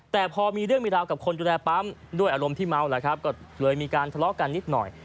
แต่พอมีเรื่องมีราวกับคนดูแลปั๊มด้วยอารมณ์ที่เมาแหละครับก็เลยมีการทะเลาะกันนิดหน่อย